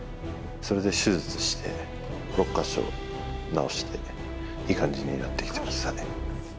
それで手術して、６か所治して、いい感じになってきてます。